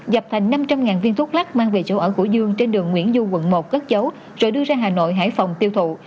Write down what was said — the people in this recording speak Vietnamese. dập thành năm trăm linh viên thuốc lắc mang về chỗ ở của dương trên đường nguyễn du quận một cất giấu rồi đưa ra hà nội hải phòng tiêu thụ